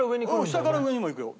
下から上にも行くよ。